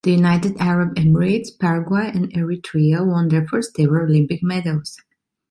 The United Arab Emirates, Paraguay and Eritrea won their first ever Olympic medals.